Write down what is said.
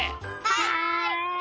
はい！